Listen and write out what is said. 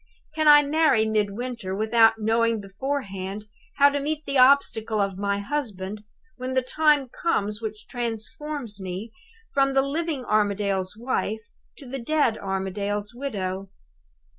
Can I marry Midwinter, without knowing beforehand how to meet the obstacle of my husband, when the time comes which transforms me from the living Armadale's wife to the dead Armadale's widow?